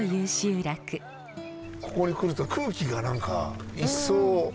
ここに来ると空気が何か一層。